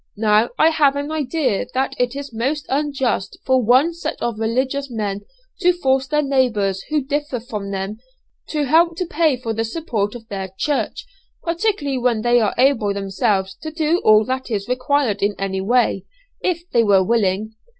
Now, I have an idea that it is most unjust for one set of religious men to force their neighbours who differ from them, to help to pay for the support of their church, particularly when they are able themselves to do all that is required in that way, if they were willing.